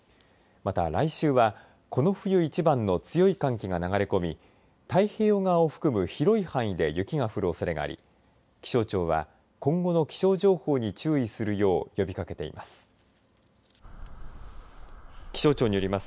また、来週はこの冬一番の強い寒気が流れ込み太平洋側を含む広い範囲で雪が降るおそれがあり気象庁は今後の気象情報に注意するよう呼びかけています。